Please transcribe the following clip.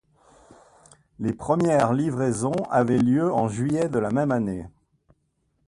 Les premières livraisons avaient lieu en juillet de la même année.